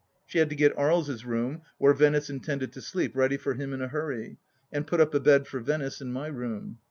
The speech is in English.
She had to get Aries' room, where Venice intended to sleep, ready for him in a hurry, and put up a bed for Venice in my room.